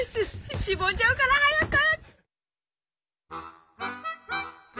しぼんじゃうから早く！